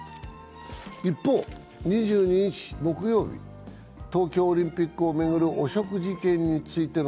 一方２２日木曜日、東京オリンピックを巡る汚職事件についての